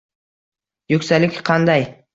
Yuksaklik qanday?